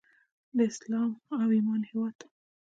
د اسلام او ایمان هیواد.